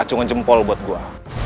acungan jempol buat gue